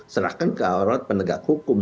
serahkan ke awal awal penegak hukum